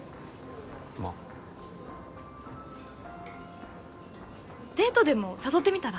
まあデートでも誘ってみたら？